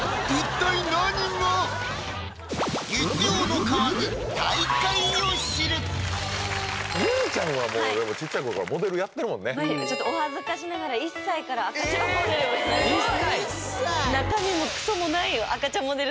結実ちゃんはもうでもちっちゃい頃からモデルやってるもんねちょっとお恥ずかしながら１歳から赤ちゃんモデルを１歳！